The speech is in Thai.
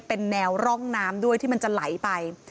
เป็นแนวร่องน้ำด้วยที่มันจะไหลไป